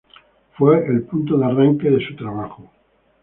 Fue el punto de arranque de su trabajo.